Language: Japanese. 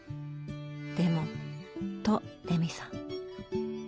でもとレミさん。